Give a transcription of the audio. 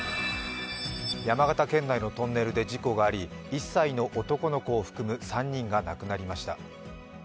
山形県内のトンネルで事故があり１歳の男の子を含む３人が亡くなりました。